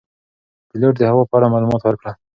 پیلوټ د هوا په اړه معلومات ورکړل.